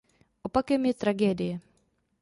Opakem je tragédie.